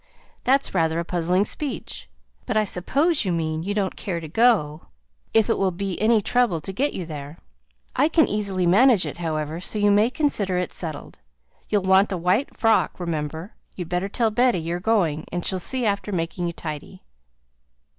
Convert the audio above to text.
"That's rather a puzzling speech. But I suppose you mean you don't care to go, if it will be any trouble to get you there. I can easily manage it, however, so you may consider it settled. You'll want a white frock, remember; you'd better tell Betty you're going, and she'll see after making you tidy."